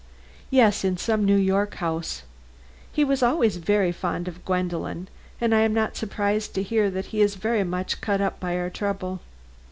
"Yes, in some New York house. He was always very fond of Gwendolen, and I am not surprised to hear that he is very much cut up by our trouble.